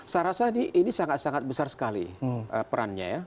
saya rasa ini sangat sangat besar sekali perannya ya